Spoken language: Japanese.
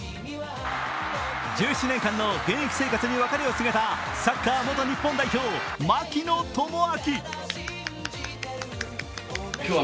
１７年間の現役生活に別れを告げたサッカー元日本代表、槙野智章。